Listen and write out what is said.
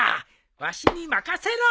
わしに任せろ。